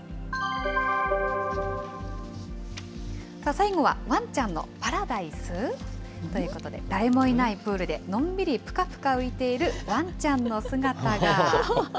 最後は、ワンちゃんのパラダイス？ということで、誰もいないプールでのんびりぷかぷか浮いているワンちゃんの姿が。